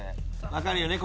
分かるよね？